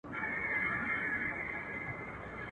ما دا څه عمرونه تېر کړله بېځایه.